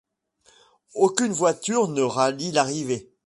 Aucune voitures ne rallie l'arrivée.